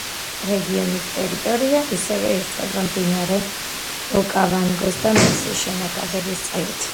რეგიონის ტერიტორია ასევე ირწყვება მდინარე ოკავანგოს და მისი შენაკადების წყლით.